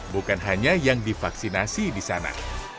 bukan hanya yang divaksinasi di sana